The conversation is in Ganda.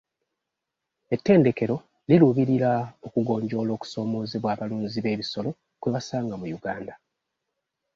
Ettendekero liruubirira okugonjoola okusoomoozebwa abalunzi b'ebisolo kwe basanga mu Uganda.